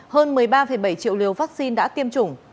hơn một mươi ba bảy triệu liều vaccine đã tiêm chủng